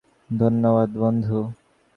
ধন্যবাদ, বন্ধু।